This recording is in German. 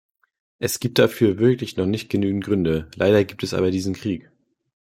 Es gibt dafür wirklich noch nicht genügend Gründe, leider gibt es aber diesen Krieg.